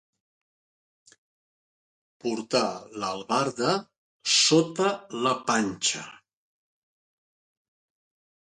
Portar l'albarda sota la panxa.